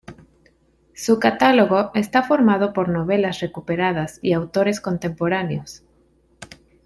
Su catálogo está formado por novelas recuperadas y autores contemporáneos.